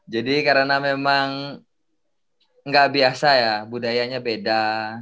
jadi karena memang nggak biasa ya budayanya beda